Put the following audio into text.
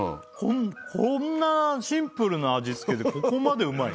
こんなシンプルな味付けでここまでうまい！？